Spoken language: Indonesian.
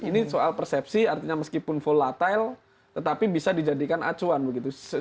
ini soal persepsi artinya meskipun volatile tetapi bisa dijadikan acuan begitu